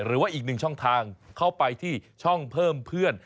หรือว่าอีกหนึ่งช่องทางเข้าไปที่ช่องเพิ่มเพื่อน